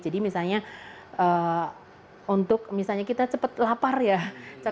jadi misalnya untuk misalnya kita cepat lapar ya